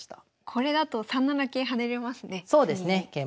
これだと３七桂跳ねれますね次に。